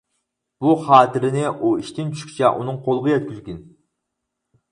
بۇ خاتىرىنى ئۇ ئىشتىن چۈشكىچە، ئۇنىڭ قولىغا يەتكۈزگىن.